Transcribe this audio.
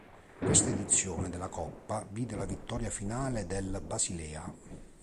Questa edizione della coppa vide la vittoria finale del Basilea.